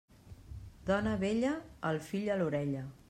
Dona vella, el fill a l'orella.